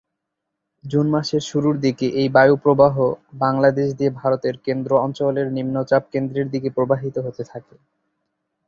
June মাসের শুরুর দিকে এই বায়ুপ্রবাহ বাংলাদেশ দিয়ে ভারতের কেন্দ্র-অঞ্চলের নিম্নচাপ কেন্দ্রের দিকে প্রবাহিত হতে থাকে।